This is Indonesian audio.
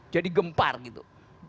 jadi gempar gitu